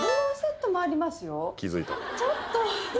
ちょっと！